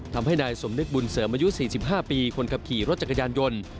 ทำให้นายสมนึกบุญเสริมอายุ๔๕ปีคนขับขี่รถจักรยานยนต์